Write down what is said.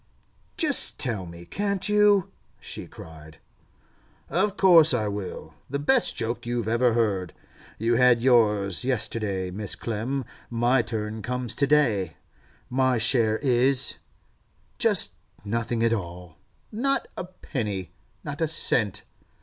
'Just tell me, can't you?' she cried. 'Of course I will. The best joke you ever heard. You had yours yesterday, Mrs. Clem; my turn comes to day. My share is—just nothing at all. Not a penny! Not a cent!